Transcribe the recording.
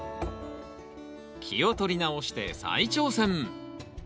気を取り直して再挑戦！